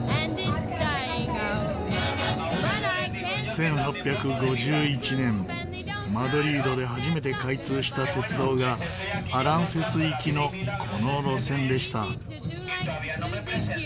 １８５１年マドリードで初めて開通した鉄道がアランフェス行きのこの路線でした。